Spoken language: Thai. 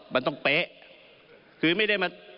มันต้องเป๊ะคือไม่ได้มา